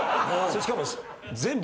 しかも。